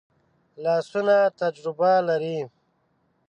لاسونه تجربه لري